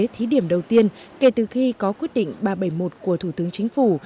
thí điểm đầu tiên kể từ khi có quyết định ba trăm bảy mươi một của thủ tướng chính phủ